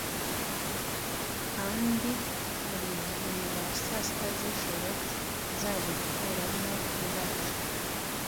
Kandi harigihe nyuma ya saa sita z'ijoro nzagukuramo indabyo